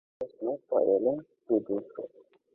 He was not the alone to do so.